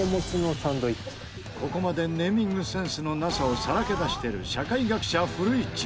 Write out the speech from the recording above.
ここまでネーミングセンスのなさをさらけ出してる社会学者古市